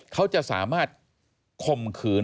เขาจะสามารถคมขืน